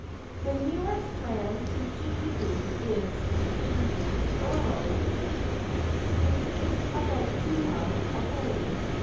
The nearest land to Chikubu is Tsuzurao Cape, which is about two miles away.